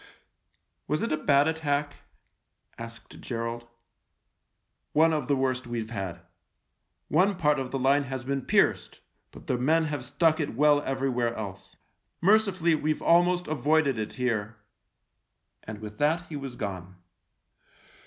" Was it a bad attack ?" asked Gerald. " One of the worst we've had. One part of the line has been pierced, but the men have stuck it well everywhere else. Merci fully we've almost avoided it here." And with that he was gone.